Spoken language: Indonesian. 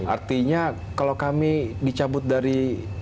artinya kalau kami dicabut dari